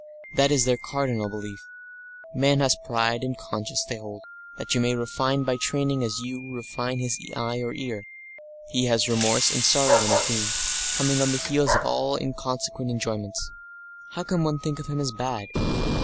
That is their cardinal belief. Man has pride and conscience, they hold, that you may refine by training as you refine his eye and ear; he has remorse and sorrow in his being, coming on the heels of all inconsequent enjoyments. How can one think of him as bad?